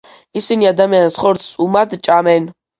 ისინი ადამიანის ხორცს უმად ჭამენ.